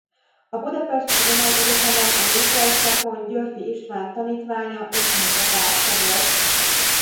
A budapesti tudományegyetemen a néprajz szakon Györffy István tanítványa és munkatársa volt.